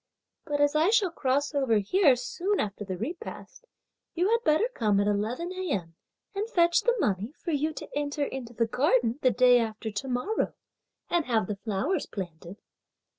But as I shall cross over here soon after the repast, you had better come at eleven a.m., and fetch the money, for you to enter into the garden the day after to morrow, and have the flowers planted!"